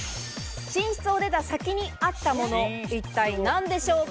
寝室を出た先にあったもの、一体何でしょうか？